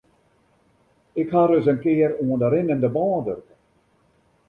Ik ha ris in kear oan de rinnende bân wurke.